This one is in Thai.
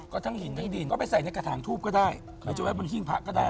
ก็ทั้งหินทั้งดินก็ไปใส่ในกระถางทูบก็ได้หรือจะไว้บนหิ้งพระก็ได้